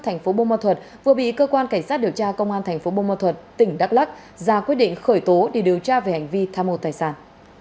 thành phố bô ma thuật vừa bị cơ quan cảnh sát điều tra công an thành phố bô ma thuật tỉnh đắk lắc ra quyết định khởi tố để điều tra về hành vi tham mô tài sản